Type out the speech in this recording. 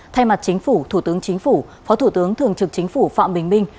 thay mặt chính phủ thủ tướng chính phủ phó thủ tướng thường trực chính phủ phạm bình minh